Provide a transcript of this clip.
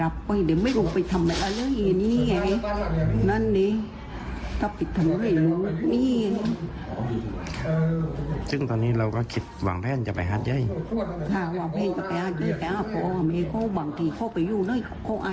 บางทีเขาไปอยู่เนี่ยเขาอาจจะไปถูกว่า